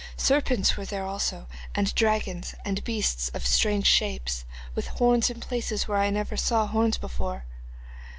Serpents were there also, and dragons, and beasts of strange shapes, with horns in places where never saw I horns before.